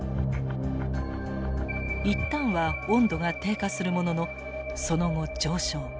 一旦は温度が低下するもののその後上昇。